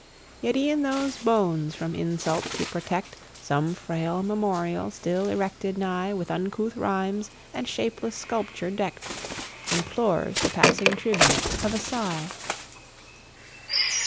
Yet e'en those bones from insult to protect Some frail memorial still erected nigh, With uncouth rhimes and shapeless sculpture deck'd, Implores the passing tribute of a sigh.